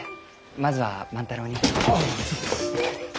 まずは万太郎に。